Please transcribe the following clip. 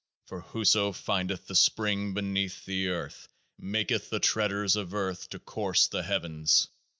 For whoso findeth the SPRING beneath the earth maketh the treaders of earth to course the heavens.